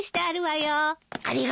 ありがとう。